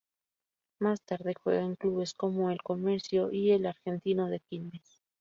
Más tarde juega en clubes como el Comercio y el Argentino de Quilmes.